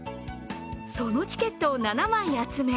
そのチケットを７枚集め